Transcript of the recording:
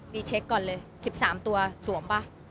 เช็คก่อนเลย๑๓ตัวสวมป่ะ